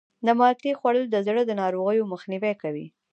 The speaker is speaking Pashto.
د مالټې خوړل د زړه د ناروغیو مخنیوی کوي.